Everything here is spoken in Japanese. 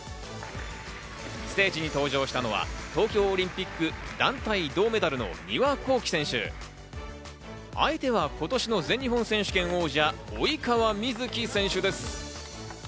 ステージに登場したのは東京オリンピック男子団体銅メダルの丹羽孝希選手、相手は今年の全日本選手権王者・及川瑞基選手です。